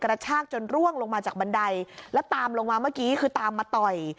กระชากจนร่วงลงมาจากบันไดแล้วตามลงมาเมื่อกี้คือตามมาต่อย